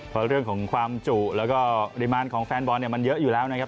เพราะเรื่องของความจุแล้วก็ปริมาณของแฟนบอลเนี่ยมันเยอะอยู่แล้วนะครับ